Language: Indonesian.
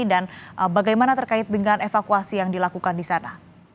dan bagaimana terkait dengan evakuasi yang dilakukan di sana